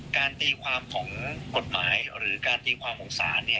ตีความของกฎหมายหรือการตีความของศาล